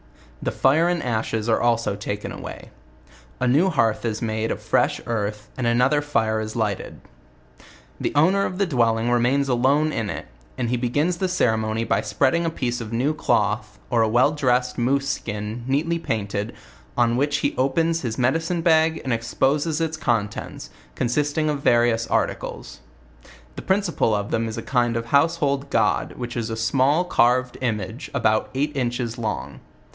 The fire and ashes are also taken away. A new hearth is made of fresh earthy and another fire is lighted. The owner of the dwelling remains alone in it; and he be gins the ceremony by spreading a piece of new cloth, or a well dressed moose ski a neatly painted, on which he opens his medicine bag and exposes its contents, consisting of, va rious articles. The principle of them is a kind of household god, which is a small dftrved image about eight inches long.